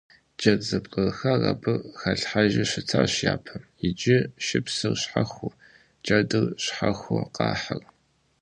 Джэд зэпкъырыхар абы халъхьэжу щытащ япэм, иджы шыпсыр щхьэхуэу джэдыр щхьэхуэу къахьыр.